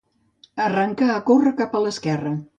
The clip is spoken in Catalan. Arrencà a córrer cap a l'esquerra.